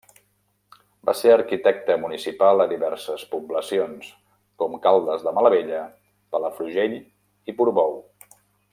Va ser arquitecte municipal a diverses poblacions, com Caldes de Malavella, Palafrugell i Portbou.